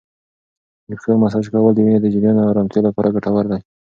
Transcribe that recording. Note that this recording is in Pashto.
د پښو مساج کول د وینې د جریان او ارامتیا لپاره ګټور دی.